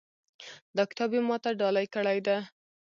دا کتاب یې ما ته ډالۍ کړی ده